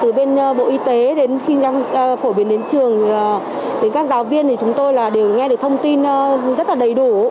từ bên bộ y tế đến khi đang phổ biến đến trường đến các giáo viên thì chúng tôi đều nghe được thông tin rất là đầy đủ